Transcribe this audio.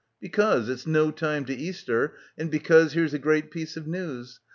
Becos, it's no time to Easter and beoos here's a great piece of news.